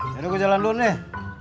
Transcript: kalo aku jalan dulu nih